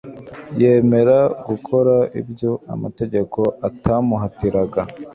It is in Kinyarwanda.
yemera gukora ibyo amategeko atamuhatiraga.